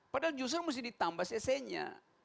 padahal justru mesti ditambah cc nya